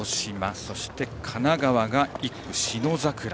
そして神奈川が１区、信櫻。